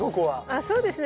あそうですね。